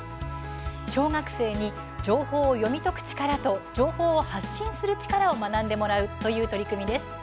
小学生に、情報を読み解く力と情報を発信する力を学んでもらうという取り組みです。